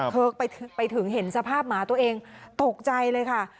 เธอไปถึงเห็นสภาพหมาตัวเองตกใจเลยค่ะ